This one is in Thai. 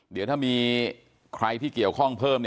เดี๋ยวถ้ามีใครที่เกี่ยวข้องเพิ่ม